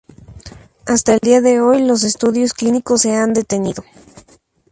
Hasta el día de hoy, los estudios clínicos se han detenido.